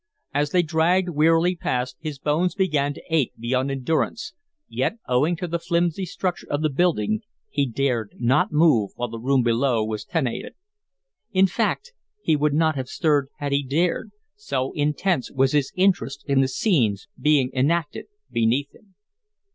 As they dragged wearily past, his bones began to ache beyond endurance, yet owing to the flimsy structure of the building he dared not move while the room below was tenanted. In fact, he would not have stirred had he dared, so intense was his interest in the scenes being enacted beneath him.